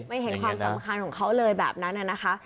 ไม่เห็นความสำคัญของเขาเลยแบบนั้นนะคะ